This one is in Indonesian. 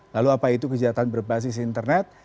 lalu apa itu kejahatan berbasis internet